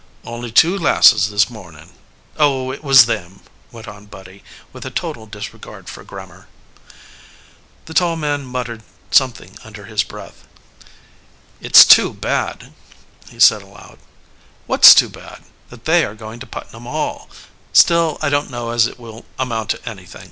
"Only two glasses, this morning. Oh, it was them," went on Buddy, with a total disregard for grammar. The tall man muttered something under his breath. "It's too bad," he said aloud. "What's too bad?" "That they are going to Putnam Hall. Still, I don't know as it will amount to anything.